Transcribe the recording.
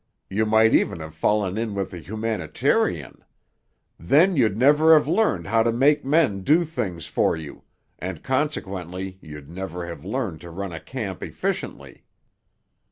You might even have fallen in with a humanitarian. Then you'd never have learned how to make men do things for you, and consequently you'd never have learned to run a camp efficiently.